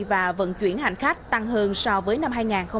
và vận chuyển hành khách tăng hơn so với năm hai nghìn hai mươi hai